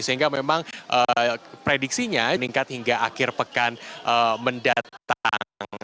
sehingga memang prediksinya meningkat hingga akhir pekan mendatang